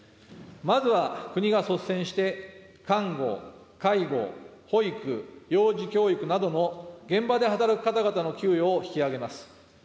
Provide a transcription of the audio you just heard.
まずは国が率先して、看護、介護、保育、幼児教育などの現場で働く方々の給与を引き上げます。